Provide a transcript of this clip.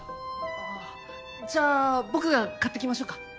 ああじゃあ僕が買ってきましょうか？